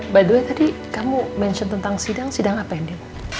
by the way tadi kamu mention tentang sidang sidang apa ini